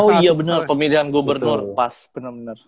oh iya bener pemilihan gubernur pas bener bener